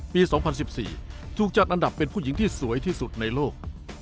๒๐๑๔ถูกจัดอันดับเป็นผู้หญิงที่สวยที่สุดในโลก